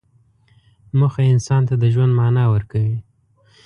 موخه انسان ته د ژوند معنی ورکوي.